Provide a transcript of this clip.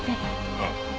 ああ。